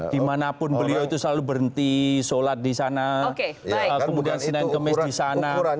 dimanapun beliau itu selalu berhenti sholat di sana kemudian senin kemis di sana